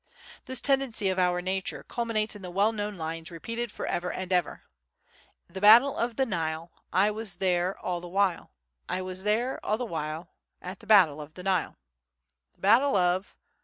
This tendency of our nature culminates in the well known lines repeated for ever and ever: The battle of the Nile I was there all the while; I was there all the while At the battle of the Nile. The battle of